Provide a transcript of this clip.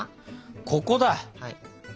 ここだ。